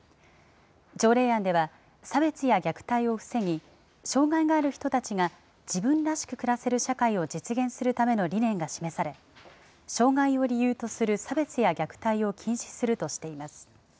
条例案では、差別や虐待を防ぎ、障害がある人たちが自分らしく暮らせる社会を実現するための理念が示され、障害を理由とする差別や虐待を禁止するとしています。